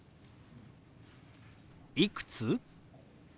「いくつ？」。